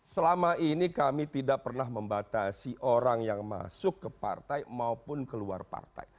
selama ini kami tidak pernah membatasi orang yang masuk ke partai maupun keluar partai